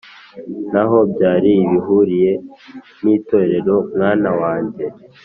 ntaho byari bihuriye n'itorero, mwana wanjye,